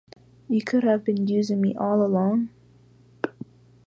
You could have been using me all along!